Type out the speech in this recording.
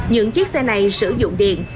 những chiếc xe này sử dụng điện